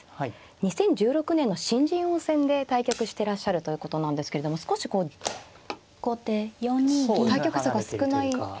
２０１６年の新人王戦で対局してらっしゃるということなんですけれども少しこう対局数が少ないというか。